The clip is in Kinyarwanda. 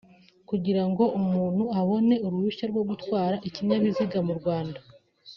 Kugira ngo umuntu abone uruhushya rwo gutwara ikinyabiziga mu Rwanda